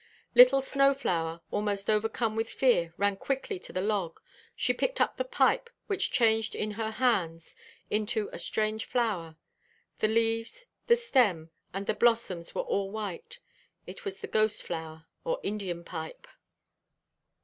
Little Snow flower, almost overcome with fear, ran quickly to the log. She picked up the pipe, which changed in her hands into a strange flower; the leaves, the stem, and the blossoms were all white. It was the Ghost flower, or Indian pipe.